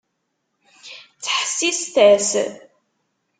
Ttḥessiset-as!